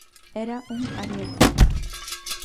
Era un ariete.